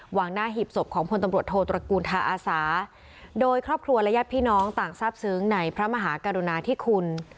งหน้าหีบศพของพลตำรวจโทตระกูลทาอาสาโดยครอบครัวและญาติพี่น้องต่างทราบซึ้งในพระมหากรุณาธิคุณ